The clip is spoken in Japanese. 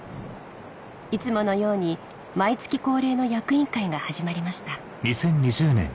いつものように毎月恒例の役員会が始まりました